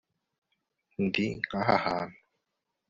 Ndi nkaha hantu